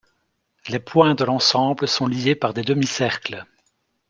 Les points de l'ensemble sont liés par des demi-cercles.